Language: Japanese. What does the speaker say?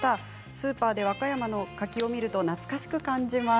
スーパーで和歌山の柿を見ると懐かしく感じます。